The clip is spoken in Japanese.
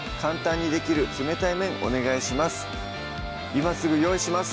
今すぐ用意します！